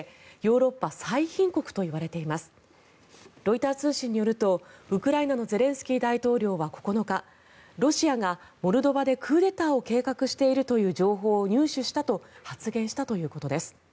ロイター通信によるとウクライナのゼレンスキー大統領は９日ロシアがモルドバでクーデターを計画しているという情報を入手したと発言したということです。